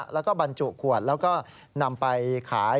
แล้วก็บรรจุขวดแล้วก็นำไปขาย